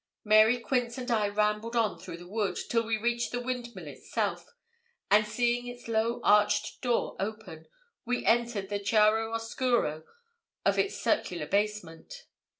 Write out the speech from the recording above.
Mary Quince and I rambled on through the wood, till we reached the windmill itself, and seeing its low arched door open, we entered the chiaro oscuro of its circular basement.